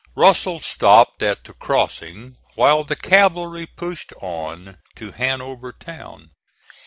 Russell stopped at the crossing while the cavalry pushed on to Hanover Town.